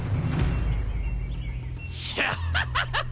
シャハハハハ！